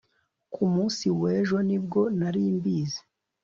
Ku munsi wejo ni bwo nari mbizi